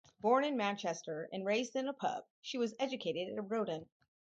Born in Manchester and raised in a pub, she was educated at Roedean.